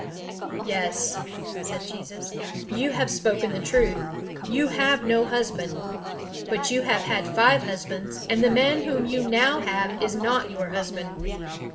"Yes," said Jesus, "you have spoken the truth. You have no husband. But you have had five husbands, and the man whom you now have is not your husband."